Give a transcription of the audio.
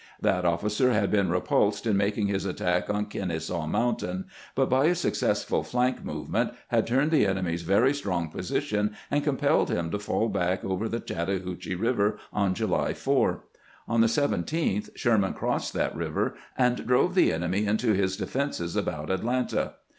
That officer had been re pulsed in making his attack on Kenesaw Mountain, but by a successful flank movement had turned the enemy's very strong position, and compelled him to fall back over the Chattahoochee Eiver on July 4. On the 17th Sherman crossed that river and drove the enemy into his defenses about Atlanta.